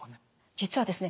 実はですね